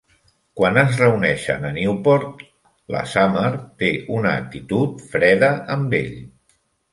Quan es reuneixen a Newport, la Summer té una actitud freda amb ell.